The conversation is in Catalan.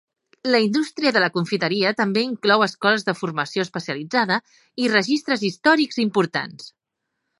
La indústria de la confiteria també inclou escoles de formació especialitzada i registres històrics importants.